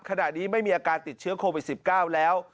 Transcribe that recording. ขณะนี้ไม่มีอาการติดเชื้อโควิด๑๙แล้ว